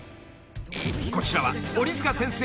［こちらは］